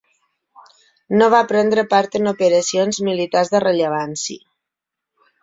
No va prendre part en operacions militars de rellevància.